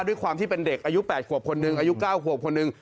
ด้วยความที่เป็นเด็กอายุ๘ขวบคนหนึ่งอายุ๙ขวบคนหนึ่ง